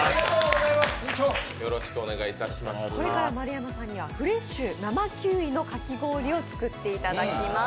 これから丸山さんにはフレッシュ生キウイのかき氷を作っていただきます。